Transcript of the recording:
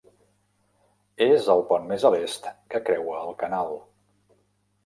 És el pont més a l'est que creua el canal.